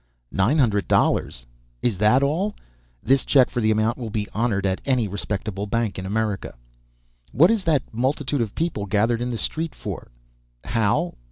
Nine hundred, dollars? Is that all? This check for the amount will be honored at any respectable bank in America. What is that multitude of people gathered in the street for? How?